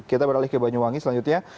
kita beralih ke banyuwangi selanjutnya